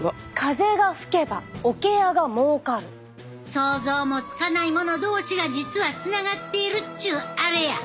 想像もつかないもの同士が実はつながっているっちゅうあれや。